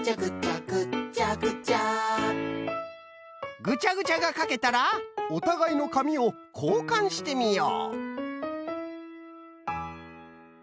ぐちゃぐちゃがかけたらおたがいのかみをこうかんしてみよう。